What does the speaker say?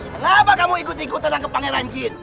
kenapa kamu ikut ikutin aku ke pangeran jin